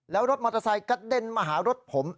แล้วรถมอเตอร์ไซค์กระเด็นมาหารถผม